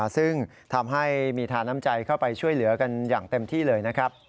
ซึ่งทำให้มีทาน้ำใจเข้าไปช่วยเหลือกันอย่างเต็มที่เลยนะครับ